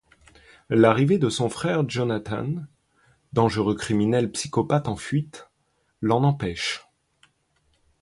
L’arrivée de son frère Jonathan, dangereux criminel psychopathe en fuite, l’en empêche.